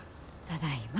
ただいま。